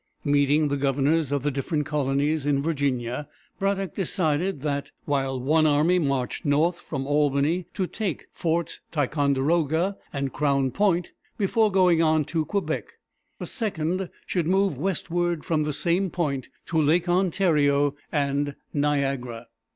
Meeting the governors of the different colonies in Virginia, Braddock decided that, while one army marched north from Albany to take Forts Ti con der o´ga and Crown Point before going on to Quebec, a second should move westward from the same point to Lake On tā´ri o and Niagara.